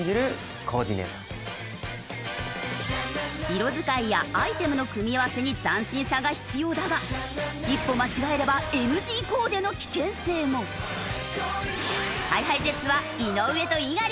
色使いやアイテムの組み合わせに斬新さが必要だが一歩間違えればＨｉＨｉＪｅｔｓは井上と猪狩。